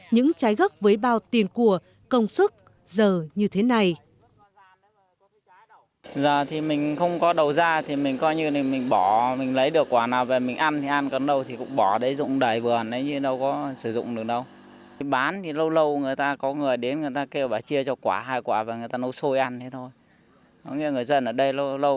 những trái gốc với bao tiền của công sức giờ như thế này